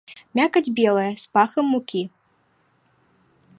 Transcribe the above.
Мякаць белая, з пахам мукі.